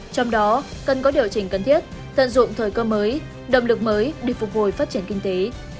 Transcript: trong đó cần có điều chỉnh cần thiết tận dụng thời cơ mới động lực mới để phục hồi phát triển kinh tế